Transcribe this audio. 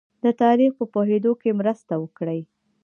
د تاریخ په پوهېدو کې مرسته وکړي.